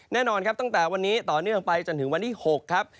แน่นอนครับตั้งแต่วันนี้ต่อเนื่องไปจนถึงวันที่๖ครับ